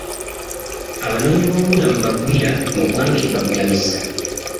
Abanoonyiboobudamu bagwiira mu ggwanga eribabudamizza.